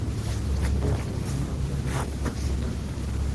چاکلېټ د زړونو ترمنځ فاصله کموي.